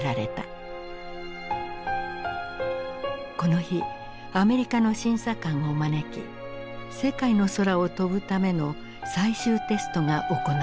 この日アメリカの審査官を招き世界の空を飛ぶための最終テストが行われる。